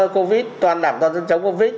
covid toàn đảng toàn dân chống covid